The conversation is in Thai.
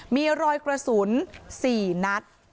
มีรอยกระสุน๔นัด